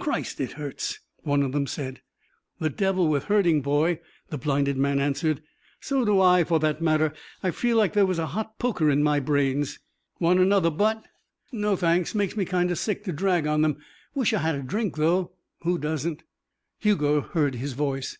"Christ, it hurts," one of them said. "The devil with hurting, boy," the blinded man answered. "So do I, for that matter. I feel like there was a hot poker in my brains." "Want another butt?" "No, thanks. Makes me kind of sick to drag on them. Wish I had a drink, though." "Who doesn't?" Hugo heard his voice.